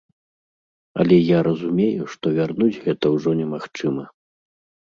Але я разумею, што вярнуць гэта ўжо немагчыма.